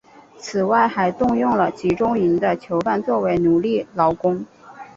此外还动用了集中营的囚犯作为奴隶劳工。